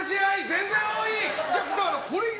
全然多い！